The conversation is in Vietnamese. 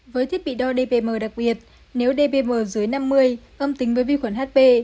với thiết bị đo dpm đặc biệt nếu dbm dưới năm mươi âm tính với vi khuẩn hp